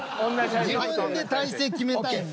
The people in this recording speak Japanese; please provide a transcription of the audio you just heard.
自分で体勢決めたいんで。